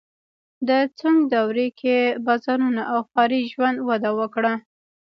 د سونګ دورې کې بازارونه او ښاري ژوند وده وکړه.